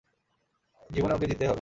জীবনে ওকে জিততেই হবে!